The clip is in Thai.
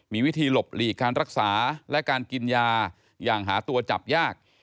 มีวิธีหลบหลีกการรักษาและการกินยาอย่างหาตัวจับยาก